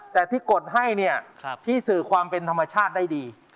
แต่ที่กดให้เนี่ยพี่สื่อความเป็นธรรมชาติได้ดี